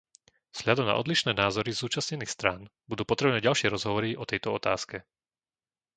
Vzhľadom na odlišné názory zúčastnených strán budú potrebné ďalšie rozhovory o tejto otázke.